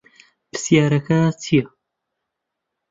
پرسیارەکە چییە؟